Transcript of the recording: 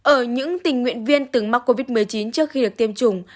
ở những tình nguyện viên từng mắc covid một mươi chín trước khi được tiêm chủng